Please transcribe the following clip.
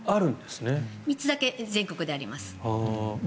３つだけ全国であります。